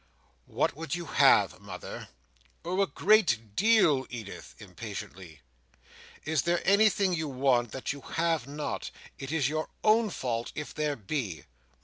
"What would you have, mother?" "Oh, a great deal, Edith," impatiently. "Is there anything you want that you have not? It is your own fault if there be."